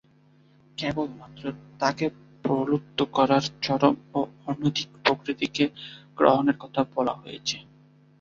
কেবলমাত্র তাকে প্রলুব্ধ করার চরম ও অনৈতিক প্রকৃতিকে গ্রহণের কথা বলা হয়েছে।